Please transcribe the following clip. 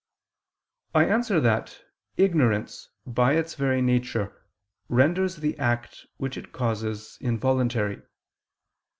I answer that, Ignorance, by its very nature, renders the act which it causes involuntary.